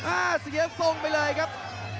อ่าเสียงไปเลยครับ